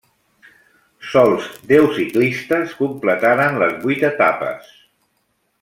Sols deu ciclistes completaren les vuit etapes.